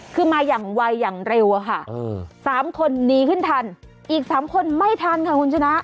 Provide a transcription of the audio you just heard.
คือมาอย่างไวอย่างเร็วอะค่ะสามคนหนีขึ้นทันอีก๓คนไม่ทันค่ะคุณชนะ